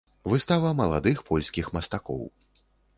Выстава маладых польскіх мастакоў.